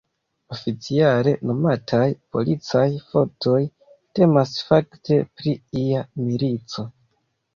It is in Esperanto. Oficiale nomataj "policaj fortoj", temas fakte pri ia milico.